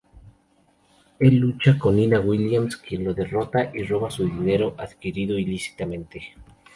Él lucha con Nina Williams, quien lo derrota, y roba su dinero adquirido ilícitamente.